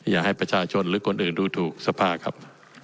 อยากให้ประชาชนหรือคนอื่นดูถูกสภาครับ